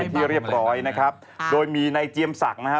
ที่เรียบร้อยนะครับโดยมีในเจียมศักดิ์นะฮะ